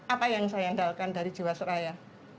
apa yang saya handalkan dari jiwasraya